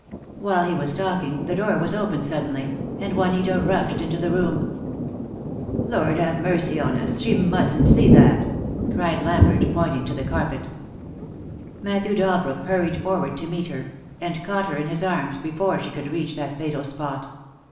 While he was talking, the door was opened suddenly, and Juanita rushed into the room. QO THE DAY WILL COME. "Lord have mercy on us, she musn't see that," cried Lambert, pointing to the carpet. Matthew Dalbrook hurried forward to meet her, and caught her in his arms before she could reach that fatal spot.